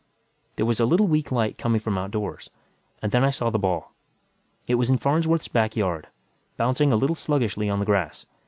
There was a little weak light coming from outdoors. And then I saw the ball. It was in Farnsworth's back yard, bouncing a little sluggishly on the grass.